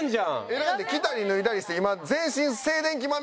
選んで着たり脱いだりして今。